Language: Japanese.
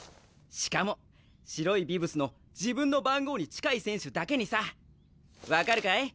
しかも白いビブスの自分の番号に近い選手だけにさ！分かるかい？